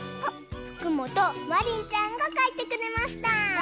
ふくもとまりんちゃんがかいてくれました！